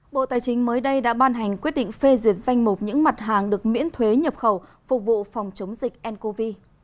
bộ tài chính mới đây đã ban hành quyết định phê duyệt danh mục những mặt hàng được miễn thuế nhập khẩu phục vụ phòng chống dịch ncov